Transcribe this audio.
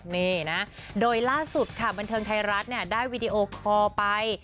นี่นะโดยล่าสุดค่ะบันเทิงไทยรัฐได้วีดีโอคอลไป